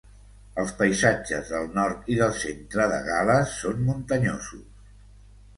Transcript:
Els paisatges del nord i del centre de Gal·les són muntanyosos.